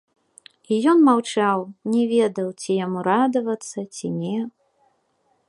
І ён маўчаў, не ведаў, ці яму радавацца, ці не.